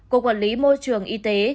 cục quản lý môi trường y tế